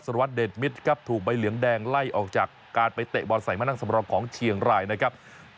วัดเดชมิตรครับถูกใบเหลืองแดงไล่ออกจากการไปเตะบอลใส่มานั่งสำรองของเชียงรายนะครับ